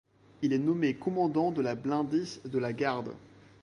Il est nommé commandant de la blindée de la Garde.